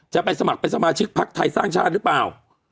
จะไปสมัครเป็นสมาชิกพักไทยสร้างชาติหรือเปล่า